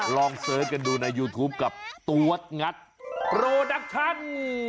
เสิร์ชกันดูในยูทูปกับตัวงัดโปรดักชั่น